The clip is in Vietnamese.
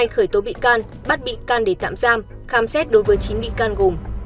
khởi tố bị can bắt bị can để tạm giam khám xét đối với chín bị can gồm